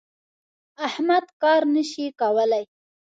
احمد کار نه شي کولای.